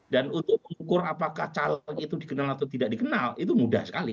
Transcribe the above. dan untuk mengukur apakah calon itu dikenal atau tidak dikenal itu mudah sekali